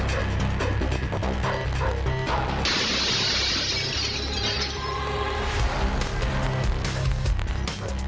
ให้เชิญขอบกับชันที่ยิ่งเกี่ยวกับบ่วนการตลอด